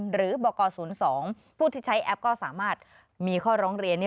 หรือบก๐๒ผู้ที่ใช้แอปก็สามารถมีข้อร้องเรียน